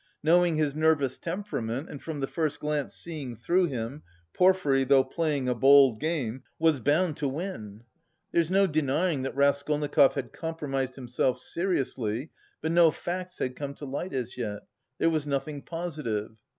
Knowing his nervous temperament and from the first glance seeing through him, Porfiry, though playing a bold game, was bound to win. There's no denying that Raskolnikov had compromised himself seriously, but no facts had come to light as yet; there was nothing positive.